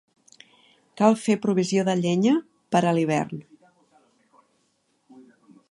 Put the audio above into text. Cal fer provisió de llenya per a l'hivern.